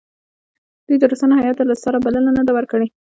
ده د روسانو هیات ته له سره بلنه نه ده ورکړې.